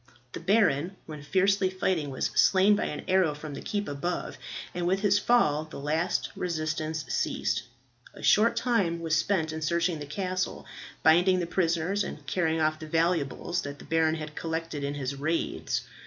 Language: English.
The baron, when fiercely fighting, was slain by an arrow from the keep above, and with his fall the last resistance ceased. A short time was spent in searching the castle, binding the prisoners, and carrying off the valuables that the baron had collected in his raids.